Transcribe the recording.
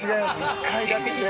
１階建てで。